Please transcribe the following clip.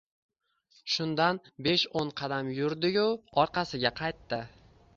Shunda, besh-o`n qadam yurdi-yu orqasiga qaytdi…